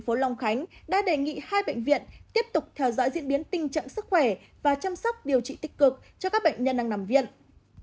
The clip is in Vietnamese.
ubnd tp long khánh tiếp tục chỉ đạo các cơ quan chức năng tiến hành kiểm tra các nơi cung cấp nguồn nguyên liệu cho cơ sở tiệm băng